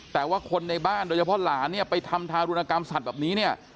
แต่ว่าคนในบ้านโดยเฉพาะหลานเนี่ยไปทำทารุณกรรมสัตว์แบบนี้เนี่ย